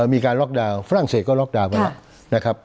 มีการล็อกดาวนฝรั่งเศสก็ล็อกดาวน์ไปแล้วนะครับ